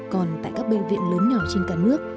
còn tại các bệnh viện lớn nhỏ trên cả nước